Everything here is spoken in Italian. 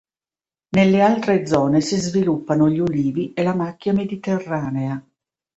Nelle altre zone si sviluppano gli ulivi e la macchia mediterranea.